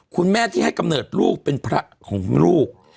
คุณแม่ที่ให้กำเนิดลูกเป็นพระของลูก